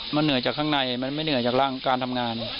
มันเหนื่อยจากข้างในมันไม่เหนื่อยจากร่างการทำงาน